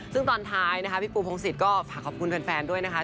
ซึ่งตอนท้ายนะคะพี่ปูพงศิษย์ก็ฝากขอบคุณแฟนด้วยนะคะ